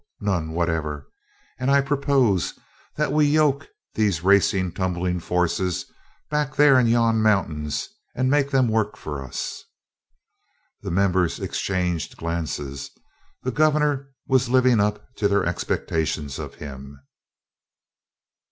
None whatever! And I propose that we yoke these racing tumbling forces back there in yon mountains and make them work for us!" The members exchanged glances the Gov'nor was living up to their expectations of him.